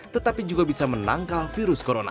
tetapi juga bisa menangkal virus corona